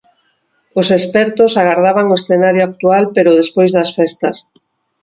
Os expertos agardaban o escenario actual pero despois das festas.